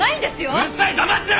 うるさい黙ってろ！